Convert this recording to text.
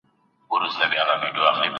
خپل ترمنځه له یو بل سره لوبېږي